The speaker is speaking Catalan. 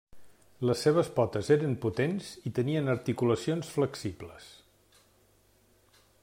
Les seves potes eren potents i tenien articulacions flexibles.